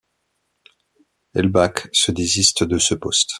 Elbak se désiste de ce poste.